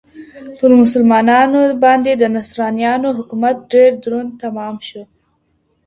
پر مسلمانانو باندې د نصرانیانو حکومت ډېر دروند تمام شو.